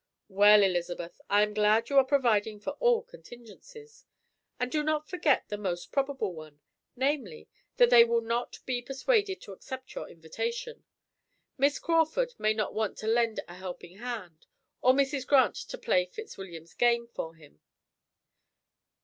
"Well, Elizabeth, I am glad you are providing for all contingencies; and do not forget the most probable one, namely, that they will not be persuaded to accept your invitation. Miss Crawford may not want to lend a helping hand, or Mrs. Grant to play Fitzwilliam's game for him."